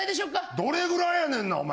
どれぐらいやねんなお前。